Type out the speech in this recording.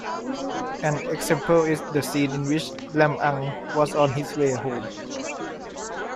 An example is the scene in which Lam-ang was on his way home.